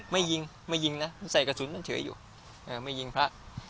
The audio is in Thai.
ไม่ยิงไม่ยิงนะใส่กระสุนเฉยอยู่ไม่ยิงพระ